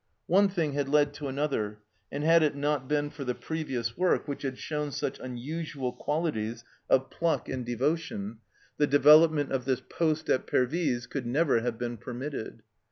One thing had led to another, and had it not been for the previous work, which had shown such unusual qualities of pluck and devotion, the development of this poste at Pervyse could never have been permitted.